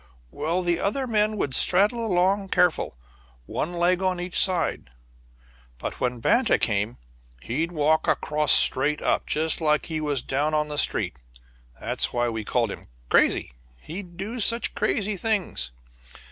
Well, the other men would straddle along careful, one leg on each side, but when Banta came he'd walk across straight up, just like he was down on the street. That's why we called him 'Crazy' he'd do such crazy things.